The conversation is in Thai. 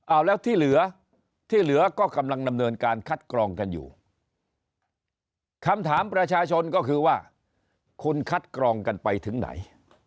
เอาแล้วที่เหลือที่เหลือก็กำลังดำเนินการคัดกรองกันอยู่คำถามประชาชนก็คือว่าคุณคัดกรองกันไปถึงไหน